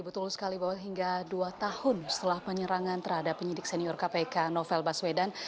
betul sekali bahwa hingga dua tahun setelah penyerangan terhadap penyidik senior kpk novel baswedan